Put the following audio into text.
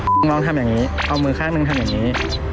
น้องทำอย่างนี้เอามือข้างหนึ่งทำอย่างนี้